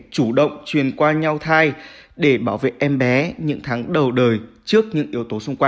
chủ động truyền qua truyền qua truyền qua truyền qua